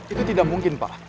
itu tidak mungkin pak